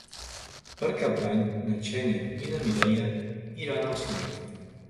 Per Cap d'Any na Xènia i na Mireia iran al cinema.